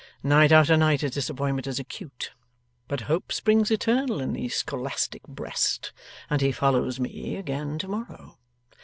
Night after night his disappointment is acute, but hope springs eternal in the scholastic breast, and he follows me again to morrow.